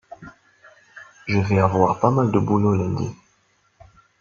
Je vais avoir pas mal de boulot lundi.